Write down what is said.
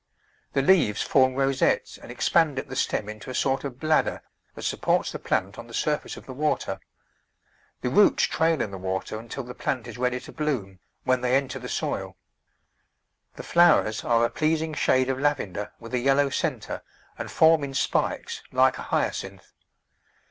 The leaves form rosettes and expand at the stem into a sort of bladder that sup ports the plant on the surface of the water. The roots trail in the water until the plant is ready to bloom, when they enter the soil. The flowers are a pleasing shade of lavender with a yellow centre and form in spikes like a Hyacinth.